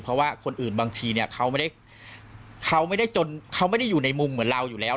เพราะว่าคนอื่นบางทีเนี่ยเขาไม่ได้เขาไม่ได้จนเขาไม่ได้อยู่ในมุมเหมือนเราอยู่แล้ว